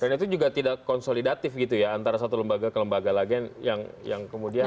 karena itu juga tidak konsolidatif gitu ya antara satu lembaga ke lembaga lagi yang kemudian